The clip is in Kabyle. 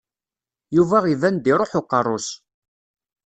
Yuba iban-d iṛuḥ uqerru-s.